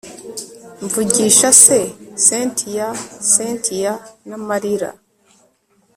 mvugisha se cyntia cyntia namarira